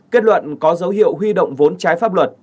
kết luận có dấu hiệu huy động vốn trái pháp luật